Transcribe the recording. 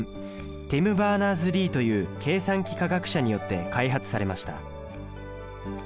ティム・バーナーズ・リーという計算機科学者によって開発されました。